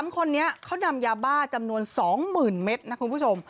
๓คนนี้เขานำยาบ้าจำนวน๒๐๐๐เมตรนะคุณผู้ชม